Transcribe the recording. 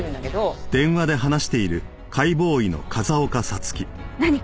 ああ。何か？